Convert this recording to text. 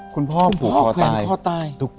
คุณพ่อแขวนคอตาย